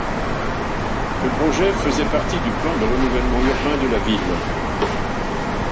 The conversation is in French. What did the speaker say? Le projet faisait partie du plan de renouvellement urbain de la ville.